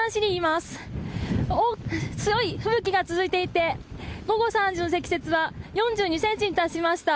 すごい吹雪が続いていて午後３時の積雪は４２ｃｍに達しました。